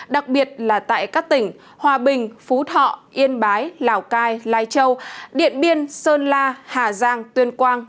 đặc biệt là tại các tỉnh hòa bình phú thọ yên bái lào cai lai châu điện biên sơn la hà giang tuyên quang